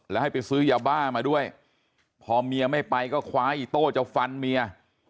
แล้วให้ไปซื้อยาบ้ามาด้วยพอเมียไม่ไปก็คว้าอีโต้จะฟันเมีย